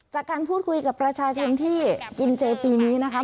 จากการพูดคุยกับประชาชนที่กินเจปีนี้นะคะ